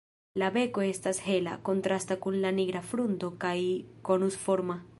La beko estas hela, kontrasta kun la nigra frunto kaj konusforma.